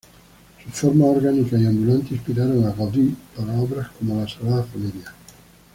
Sus formas orgánicas y ondulantes inspiraron a Gaudí para obras como la Sagrada Familia.